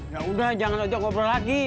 ya udah jangan ojok ngobrol lagi